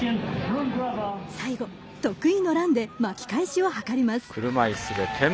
最後、得意のランで巻き返しを図ります。